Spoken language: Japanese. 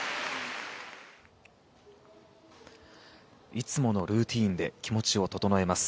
いつものルーティンで気持ちを整えます。